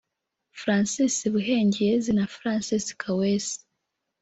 Francis Buhengyezi na Francis Kaweesi